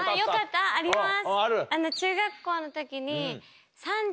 あります。